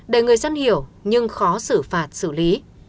để người dân hiểu nhưng khó xử phạt xử lý